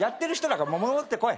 戻ってこい。